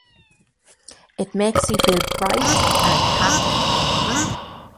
It makes you feel bright and happy.